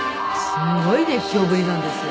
すごい熱狂ぶりなんですよ。